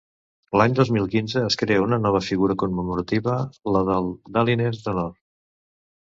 L'any dos mil quinze es crea una nova figura commemorativa, la del Daliner d'Honor.